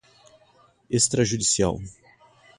extrajudicial